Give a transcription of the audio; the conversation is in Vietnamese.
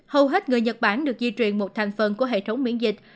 hầu hết người nhật bản được di truyền một thành phần của hệ thống miễn dịch